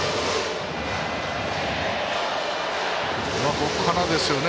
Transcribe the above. ここからですよね。